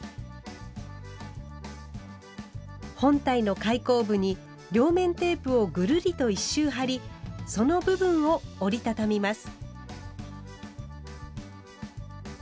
本体の開口部に両面テープをぐるりと一周貼りその部分を折り畳みます。